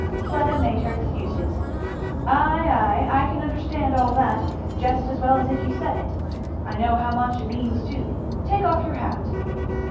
Fleda made her excuses. "Ay, ay, I can understand all that just as well as if you said it. I know how much it means too. Take off your hat."